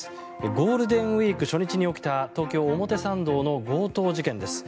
ゴールデンウィーク初日に起きた東京・表参道の強盗事件です。